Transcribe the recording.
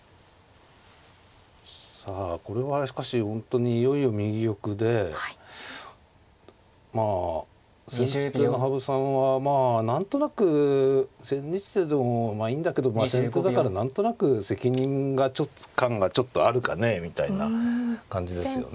さあこれはしかし本当にいよいよ右玉でまあ先手の羽生さんはまあ何となく千日手でもまあいいんだけど先手だから何となく責任感がちょっとあるかねえみたいな感じですよね。